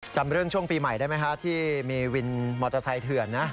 จำเรื่องช่วงปีใหม่ได้ไหมคะที่มีวินมอเตอร์ไซค์เถื่อนนะ